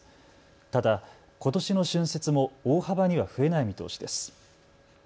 ただ、ことしの春節も大幅には増えない見通しです。